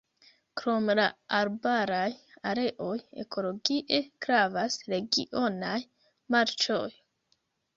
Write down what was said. Krom la arbaraj areoj ekologie gravas regionaj marĉoj.